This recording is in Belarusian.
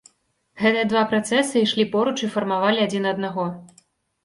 Гэтыя два працэсы ішлі поруч і фармавалі адзін аднаго.